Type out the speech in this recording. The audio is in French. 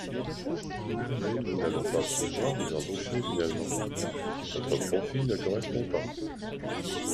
mais nous n’allons pas pouvoir vous embaucher finalement, votre profil ne correspond pas.